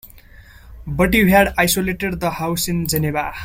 But you had isolated the house in Geneva.